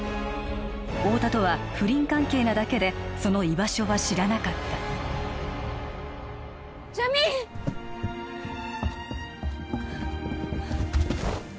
太田とは不倫関係なだけでその居場所は知らなかったジャミーン！